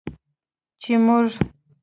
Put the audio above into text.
چې موږ